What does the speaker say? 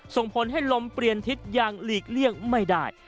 ส่งผลให้ลมเปลี่ยนทิศอย่างหลีกเลี่ยงไม่ได้